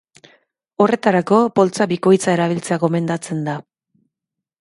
Horretarako, poltsa bikoitza erabiltzea gomendatzen da.